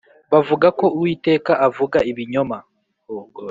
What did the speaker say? bavugako uwiteka avuga ibinyoma